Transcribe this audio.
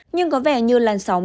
nhưng có vẻ như làn sóng